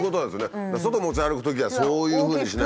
外持ち歩くときはそういうふうにしないと。